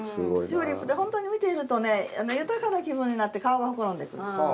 チューリップって本当に見ているとね豊かな気分になって顔がほころんでくる。